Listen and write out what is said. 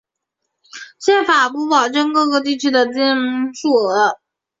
宪法不保证各地区的议席数额。